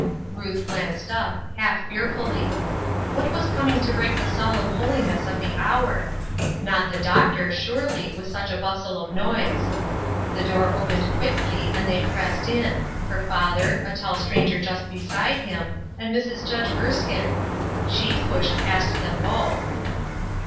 Ruth glanced up, half fearfully. What was coming to break the solemn holiness of the hour ? Not the Doctor, surely, with such bustle of noise. The door opened quickly, and they pressed in — her father, a tall stranger just beside him, and Mrs. Judge Erskine ! She pushed past them both.